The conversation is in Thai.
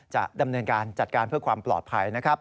จะดำเนินการจัดการเพื่อความปลอดภัยนะครับ